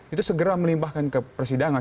itu segera melimpahkan ke persidangan